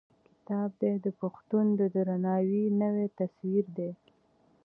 کتاب: دی د پښتون د درناوي نوی تصوير دی.